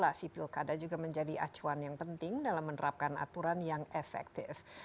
bilasi pilkada juga menjadi acuan yang penting dalam menerapkan aturan yang efektif